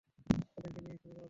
ওদেরকে দিয়েই শুরু করা যাক।